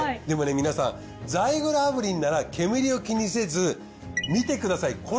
でもね皆さんザイグル炙輪なら煙を気にせず見てください。